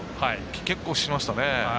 結構しましたね。